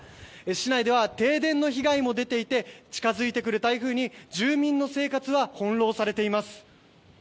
市内では停電の被害も出ていて近付いてくる台風に住民の生活は翻ろうされています。